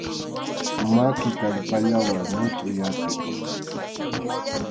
Maki kallpallawan ñutʼuy atiy.